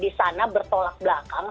di sana bertolak belakang